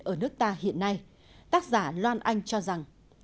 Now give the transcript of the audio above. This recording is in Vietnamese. ở nước ta hiện nay tác giả loan anh cho rằng